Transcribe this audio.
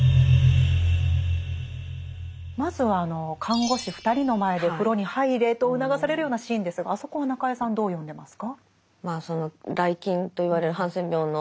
まずは看護師２人の前で風呂に入れと促されるようなシーンですがあそこは中江さんどう読んでますか？